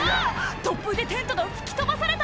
突風でテントが吹き飛ばされた！